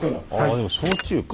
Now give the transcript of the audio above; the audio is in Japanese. でも焼酎か。